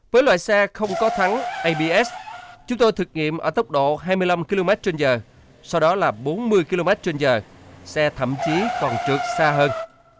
với loại xe không có thắng abs chúng tôi thực nghiệm ở tốc độ hai mươi năm km trên giờ sau đó là bốn mươi km trên giờ xe thậm chí còn trượt xa hơn